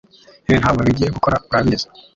Ibi ntabwo bigiye gukora urabizi